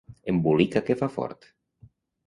Embolica que fa fort!